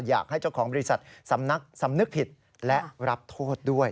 อยากให้เจ้าของบริษัทสำนักสำนึกผิดและรับโทษด้วย